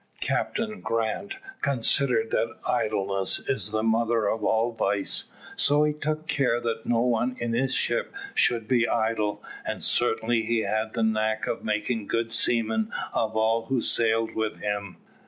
Captain Grant considered that idleness is the mother of all vice, so he took care that no one in his ship should be idle, and certainly he had the knack of making good seamen of all who sailed with him.